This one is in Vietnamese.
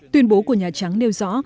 tuyên bố của nhà trắng nêu rõ